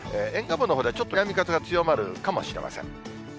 沿岸部のほうでちょっと南風が強まるかもしれません。